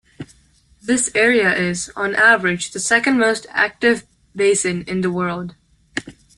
This area is, on average, the second-most active basin in the world.